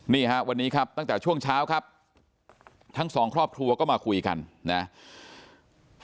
นี่ฮะวันนี้ครับตั้งแต่ช่วงเช้าครับทั้งสองครอบครัวก็มาคุยกันนะครับ